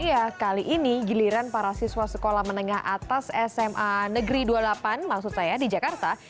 iya kali ini giliran para siswa sekolah menengah atas sma negeri dua puluh delapan maksud saya di jakarta